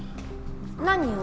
何を？